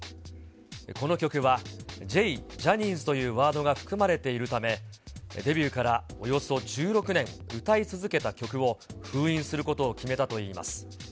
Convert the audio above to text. この曲は、Ｊ、ジャニーズというワードが含まれているため、デビューからおよそ１６年歌い続けた曲を封印することを決めたといいます。